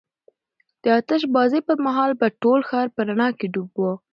د آتش بازۍ پر مهال به ټول ښار په رڼا کې ډوب و.